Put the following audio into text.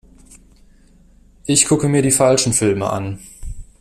Ich gucke mir die falschen Filme an.